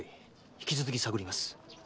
引き続き探ります。